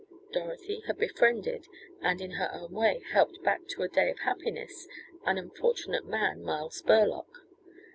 Dorothy had befriended, and in her own way, helped back to a day of happiness an unfortunate man, Miles Burlock.